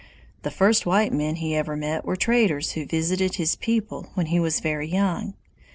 The first white men he ever met were traders who visited his people when he was very young.